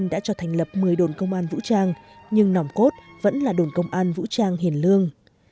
đã cho thành lập một mươi đồn công an vũ trang nhưng nòng cốt vẫn là đồn công an vũ trang hiền lương